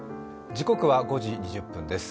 時刻は５時２０分です。